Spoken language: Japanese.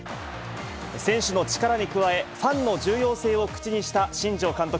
選手の力に加え、ファンの重要性を口にした新庄監督。